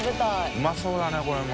うまそうだねこれも。